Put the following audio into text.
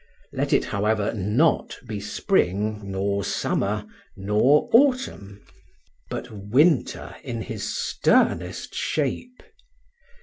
Let it, however, not be spring, nor summer, nor autumn, but winter in his sternest shape.